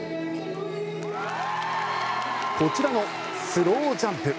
こちらのスロウジャンプ。